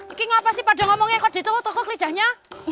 ini ngapa sih pada ngomongnya kok diturut kok lidahnya